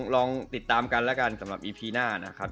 ลองติดตามกันแล้วกันสำหรับอีพีหน้านะครับ